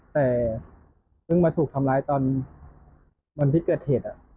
แต่เพิ่งมาถูกทำร้ายตอนวันที่เกิดเหตุ